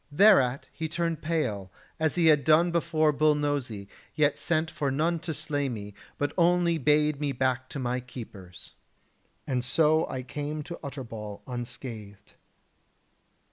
Thereat he turned pale, as he had done before Bull Nosy, yet sent for none to slay me, but only bade me back to my keepers. And so I came to Utterbol unscathed."